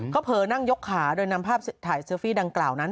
เขาเผลอนั่งยกขาโดยนำภาพถ่ายเซลฟี่ดังกล่าวนั้น